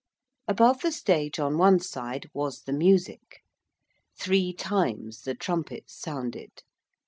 Above the stage on one side was the 'music.' Three times the trumpets sounded.